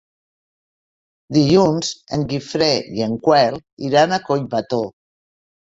Dilluns en Guifré i en Quel iran a Collbató.